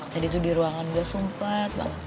tadi tuh di ruangan gue sumpet banget